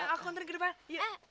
aku ntar ke depan yuk